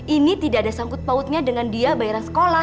ini tidak ada sangkut pautnya dengan dia bayaran sekolah